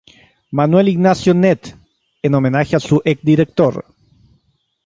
Manuel Ignacio Net" en homenaje a su exdirector.